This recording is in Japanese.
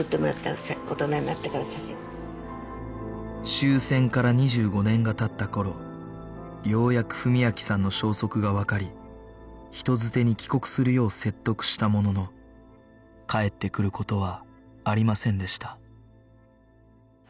終戦から２５年が経った頃ようやく文明さんの消息がわかり人づてに帰国するよう説得したものの帰ってくる事はありませんでした